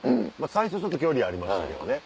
最初ちょっと距離ありましたけどね。